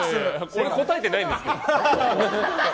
俺、答えてないんですけど。